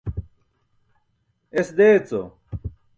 Es deeco.